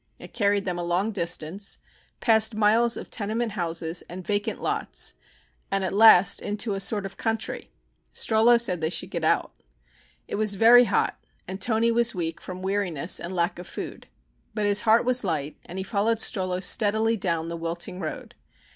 It carried them a long distance, past miles of tenement houses and vacant lots, and at last into a sort of country. Strollo said they should get out. It was very hot and Toni was weak from weariness and lack of food, but his heart was light and he followed Strollo steadily down the wilting road.